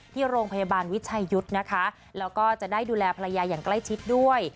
ที่โรงพยาบาลวิชัยยุทธ์นะคะแล้วก็จะได้ดูแลภรรยาอย่างใกล้ชิดด้วย